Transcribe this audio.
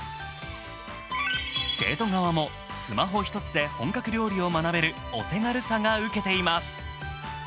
生徒側もスマホ１つで本格料理を学べるお手軽さがウケています。